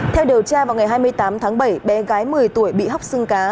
theo điều tra vào ngày hai mươi tám tháng bảy bé gái một mươi tuổi bị hóc xương cá